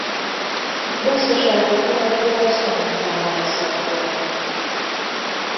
Gazdagságuk alapja az aranybányászat volt.